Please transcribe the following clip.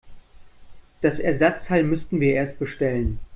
Das Ersatzteil müssten wir erst bestellen.